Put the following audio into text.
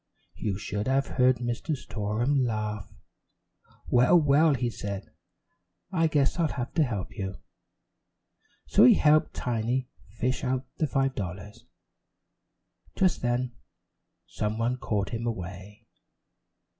You should have heard Mr. Storem laugh. "Well, well," he said, "I guess I'll have to help you." So he helped Tiny "fish" out the five dollars. Just then some one called him away.